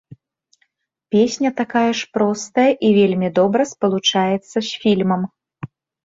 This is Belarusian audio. Песня такая ж простая і вельмі добра спалучаецца з фільмам.